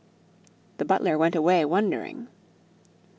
The butler went away wondering.